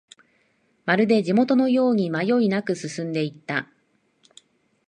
まるで地元のように迷いなく進んでいった